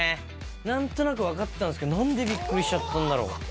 なんとなく分かってたんですけど、なんでびっくりしちゃったんだろ？